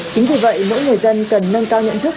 chính vì vậy mỗi người dân cần nâng cao nhận thức